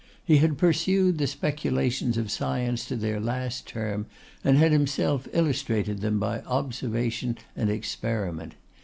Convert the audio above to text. He had pursued the speculations of science to their last term, and had himself illustrated them by observation and experiment.